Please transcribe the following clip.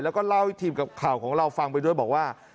และก็เล่าชีวิตของข่าวของเราฟังไปด้วยบอกว่า